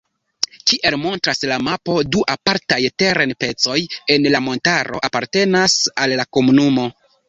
Kiel montras la mapo, du apartaj teren-pecoj en la montaro apartenas al la komunumo.